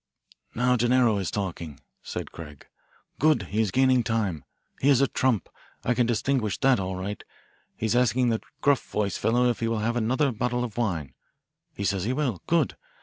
"Now, Gennaro is talking," said Craig. "Good he is gaining time. He is a trump. I can distinguish that all right. He's asking the gruff voiced fellow if he will have another bottle of wine. He says he will. Good.